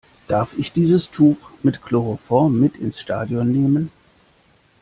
Darf ich dieses Tuch mit Chloroform mit ins Stadion nehmen?